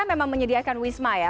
memang menyediakan wisma ya